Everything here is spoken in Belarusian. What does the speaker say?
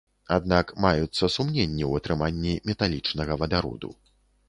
Аднак маюцца сумненні ў атрыманні металічнага вадароду.